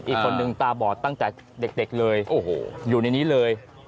อีกคนนึงตาบอดตั้งแต่เด็กเลยโอ้โหอยู่ในนี้เลย